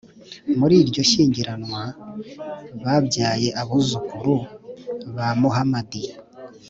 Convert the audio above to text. muri iryo shyingiranwa babyaye abuzukuru ba muhamadi